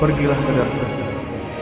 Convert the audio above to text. pergilah ke media tempat yang lebih dekat